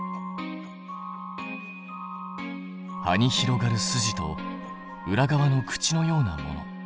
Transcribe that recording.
葉に広がる筋と裏側の口のようなもの。